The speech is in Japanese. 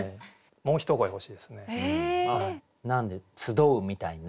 もう一声欲しい。